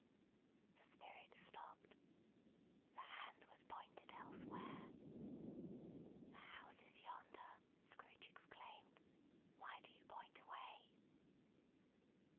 The Spirit stopped; the hand was pointed elsewhere. "The house is yonder," Scrooge exclaimed. "Why do you point away?"